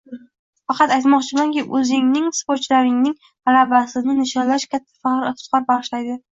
Faqat aytmoqchimanki, o‘zingning sportchilaringning g‘alabasini nishonlash katta faxr-iftixor bag‘ishlaydi.